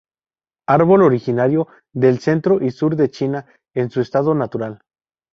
Árbol originario del centro y sur de China, en su estado natural.